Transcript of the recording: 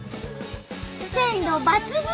鮮度抜群！